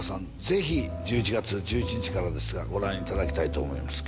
ぜひ１１月１１日からですがご覧いただきたいと思います